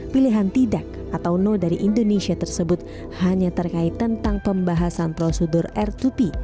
pilihan tidak atau no dari indonesia tersebut hanya terkait tentang pembahasan prosedur r dua p